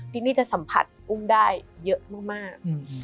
ที่นี่จะสัมผัสอุ้มได้เยอะมาก